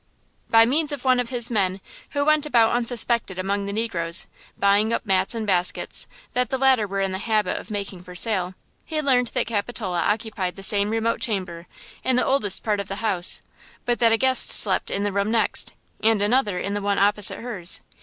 By means of one of his men, who went about unsuspected among the negroes, buying up mats and baskets, that the latter were in the habit of making for sale, he learned that Capitola occupied the same remote chamber, in the oldest part of the house; but that a guest slept in the room next, and another in the one opposite hers.